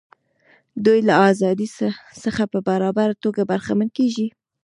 دوی له ازادیو څخه په برابره توګه برخمن کیږي.